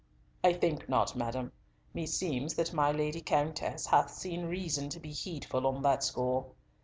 "I think not, madam. Meseems that my Lady Countess hath seen reason to be heedful on that score.